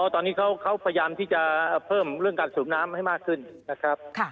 ตอนนี้เขาพยายามที่จะเพิ่มเรื่องการสูบน้ำให้มากขึ้นนะครับ